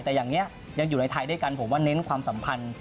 แต่อย่างนี้ยังอยู่ในไทยด้วยกันผมว่าเน้นความสัมพันธ์